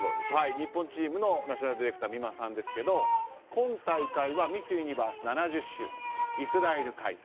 日本チームのナショナルディレクターの美馬さんによると今大会はミス・ユニバース７０周年でイスラエル開催。